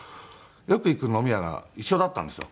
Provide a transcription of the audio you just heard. よく行く飲み屋が一緒だったんですよ。